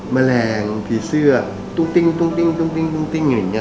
แมลงผีเสื้อตุ๊กติ๊งตุ๊กติ๊งตุ๊กติ๊งตุ๊กติ๊งอย่างงี้